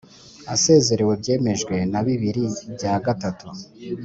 asezerewe byemejwe na bibiri bya gatatu